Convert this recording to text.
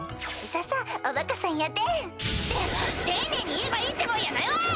そうそうおバカさんやで。って丁寧に言えばいいってもんやないわい！